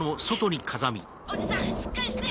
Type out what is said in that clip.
おじさんしっかりして。